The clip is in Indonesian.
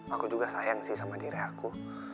aku juga sayang sih sama diri aku